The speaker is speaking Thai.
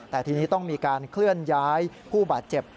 แต่ทีนี้ต้องมีการเคลื่อนย้ายผู้บาดเจ็บ